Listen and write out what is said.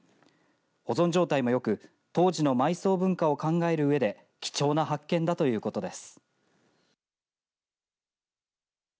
保存状態もよく、当時の埋葬文化を考えるうえで貴重な発見だということです。